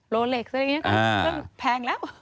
โลเล็กซ์แบบนี้ก็แพงแล้ว